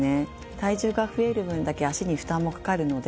体重が増える分だけ足に負担もかかるので。